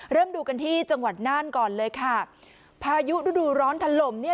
เริ่มดูกันที่จังหวัดน่านก่อนเลยค่ะพายุฤดูร้อนถล่มเนี่ย